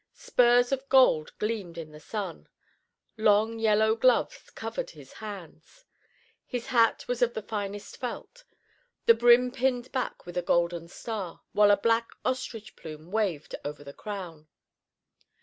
Spurs of gold gleamed in the sun. Long yellow gloves covered his hands. His hat was of the finest felt, the brim pinned back with a golden star, while a black ostrich plume waved over the crown.